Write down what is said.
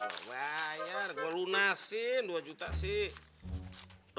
wah ayar gua lunasin dua juta sih